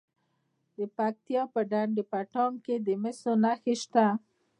د پکتیا په ډنډ پټان کې د مسو نښې شته.